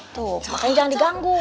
tuh makanya jangan diganggu